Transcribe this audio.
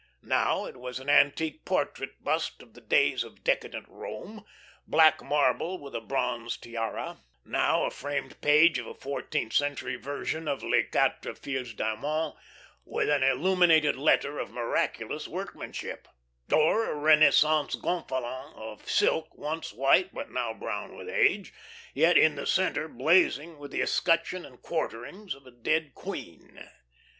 Now it was an antique portrait bust of the days of decadent Rome, black marble with a bronze tiara; now a framed page of a fourteenth century version of "Li Quatres Filz d'Aymon," with an illuminated letter of miraculous workmanship; or a Renaissance gonfalon of silk once white but now brown with age, yet in the centre blazing with the escutcheon and quarterings of a dead queen.